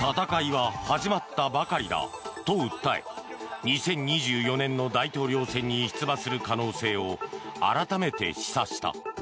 戦いは始まったばかりだと訴え２０２４年の大統領選に出馬する可能性を改めて示唆した。